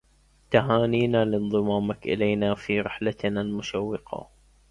تهانينا لانضمامك إلينا في رحلتنا المشوقة